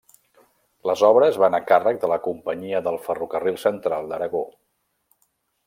Les obres van a càrrec de la Companyia del Ferrocarril Central d'Aragó.